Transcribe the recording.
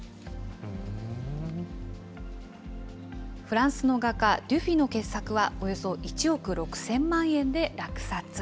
フランスの画家、デュフィの傑作はおよそ１億６０００万円で落札。